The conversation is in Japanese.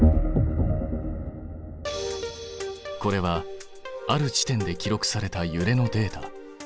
これはある地点で記録されたゆれのデータ。